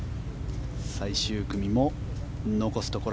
最終組も残すところ